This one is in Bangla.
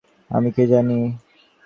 আমি কী জানি।